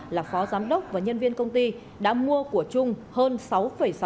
là phó giám đốc và nhân viên công ty đã mua của trung hơn sáu mươi đồng